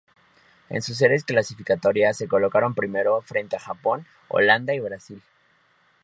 En su serie clasificatoria se colocaron primero frente a Japón, Holanda y Brasil.